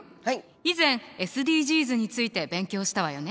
以前ＳＤＧｓについて勉強したわよね。